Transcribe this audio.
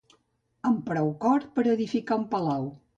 Amb prou cor per a edificar un palau.